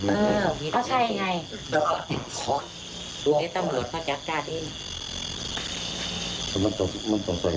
มันกล้าโบมันซักใส่ใดเลี่ยงจึงเนี่ย